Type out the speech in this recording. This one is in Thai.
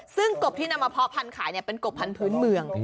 ซึ่งกบที่นำมาเพาะพันธุ์ขายเป็นกบพันธุ์เมือง